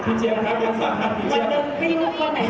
พี่เจมส์ครับอยากถามคำถาม